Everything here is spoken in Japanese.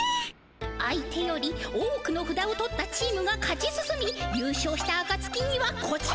相手より多くのふだを取ったチームが勝ち進みゆう勝したあかつきにはこちら！